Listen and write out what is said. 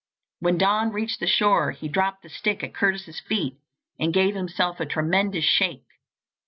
When Don reached the shore he dropped the stick at Curtis's feet and gave himself a tremendous shake.